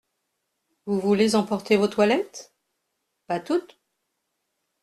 Vous voulez emporter vos toilettes ? Pas toutes.